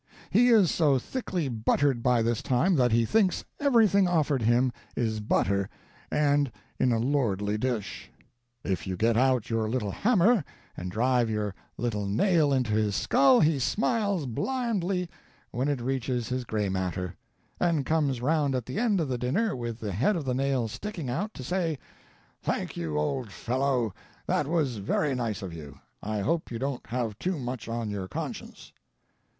He is so thickly buttered by this time that he thinks everything offered him is butter, and in a lordly dish. If you get out your little hammer, and drive your little nail into his skull he smiles blandly when it reaches his gray matter, and comes round at the end of the dinner, with the head of the nail sticking out, to say 'Thank you, old fellow; that was very nice of you; I hope you won't have too much on your conscience.'